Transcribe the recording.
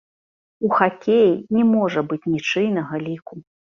У хакеі не можа быць нічыйнага ліку.